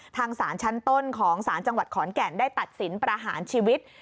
ทางศาลชั้นต้นของศาลจังหวัดขอนแก่นได้ตัดสินประหารชีวิต